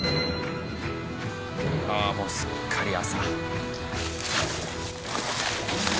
ああもうすっかり朝。